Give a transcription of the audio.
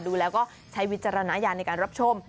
ดูแล้วก็ใช้วิจารณญาณในการรับชม